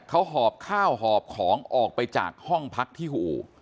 เขาหอบข้าวหอบของออกไปจากห้องพักที่อู่